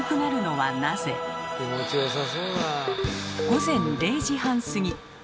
午前０時半過ぎ。